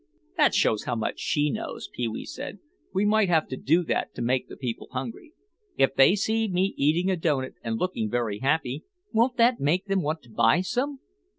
"That shows how much she knows," Pee wee said; "we might have to do that to make the people hungry. If they see me eating a doughnut and looking very happy, won't that make them want to buy some?